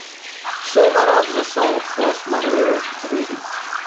Suvarov's assault forced Moreau to retreat.